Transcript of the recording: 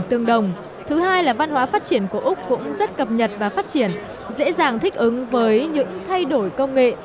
thứ hai là văn hóa phát triển của úc cũng rất cập nhật và phát triển dễ dàng thích ứng với những thay đổi công nghệ